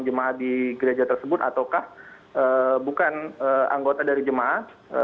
jemaah di gereja tersebut ataukah bukan anggota dari jemaah